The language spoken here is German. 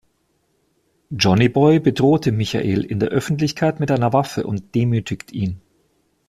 Johnny Boy bedroht Michael in der Öffentlichkeit mit einer Waffe und demütigt ihn.